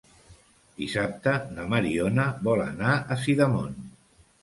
Dissabte na Mariona vol anar a Sidamon.